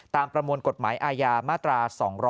ประมวลกฎหมายอาญามาตรา๒๗